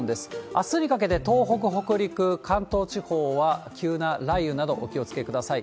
あすにかけて東北、北陸、関東地方は急な雷雨など、お気をつけください。